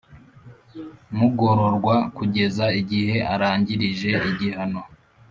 mugororwa kugeza igihe arangirije igihano